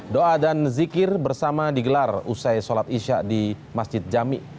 doa dan zikir bersama digelar usai sholat isya di masjid jami